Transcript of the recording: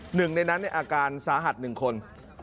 หนึ่งในนั้นอาการสาหัส๑คน